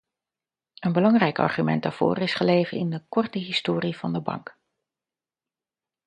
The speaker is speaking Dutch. Een belangrijk argument daarvoor is gelegen in de korte historie van de bank.